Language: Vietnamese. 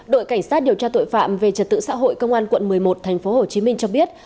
đội cảnh sát điều tra tội phạm về trật tự xã hội công an quận một mươi một thành phố hồ chí minh cho biết